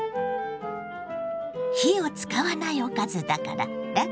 火を使わないおかずだからラクラクよ。